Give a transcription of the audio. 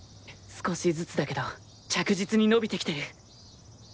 少しずつだけど着実に伸びてきてる。